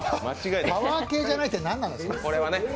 パワー系じゃなくて何なんですか。